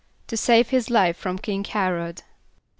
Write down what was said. =To save his life from King H[)e]r´od.